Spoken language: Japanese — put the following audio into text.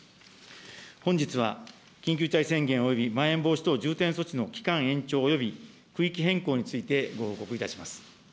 本日は緊急事態宣言およびまん延防止等重点措置の期間延長および区域変更についてご報告いたします。